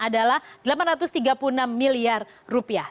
adalah delapan ratus tiga puluh enam miliar rupiah